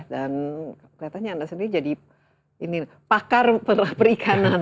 dan kelihatannya anda sendiri jadi pakar perikanan